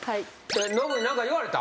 ノブに何か言われた？